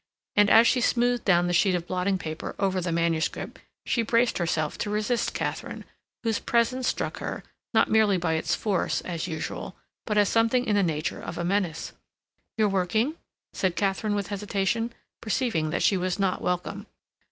And, as she smoothed down the sheet of blotting paper over the manuscript, she braced herself to resist Katharine, whose presence struck her, not merely by its force, as usual, but as something in the nature of a menace. "You're working?" said Katharine, with hesitation, perceiving that she was not welcome.